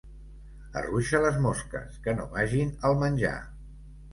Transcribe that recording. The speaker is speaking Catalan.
Arruixa les mosques, que no vagin al menjar.